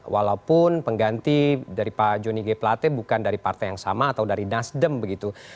walaupun pengganti dari pak jonny g plate bukan dari partai yang sama atau dari nasdem begitu